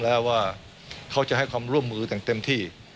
แล้วว่าเขาจะให้ความร่วมมืออย่างเต็มที่